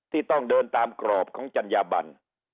ที่ต้องเดินตามกรอบของจัญญาบัน